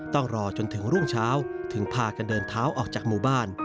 ต้องรอจนถึงรุ่งเช้าถึงพากันเดินเท้าออกจากหมู่บ้าน